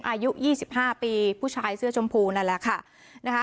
อายุ๒๕ปีผู้ชายเสื้อชมพูนั่นแหละค่ะนะคะ